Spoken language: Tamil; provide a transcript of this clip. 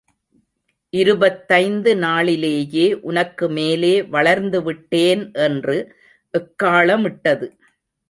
இருபத்தைந்து நாளிலேயே உனக்கு மேலே வளர்ந்துவிட்டேன் என்று எக்காளமிட்டது.